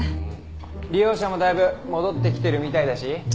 利用者もだいぶ戻ってきてるみたいだし。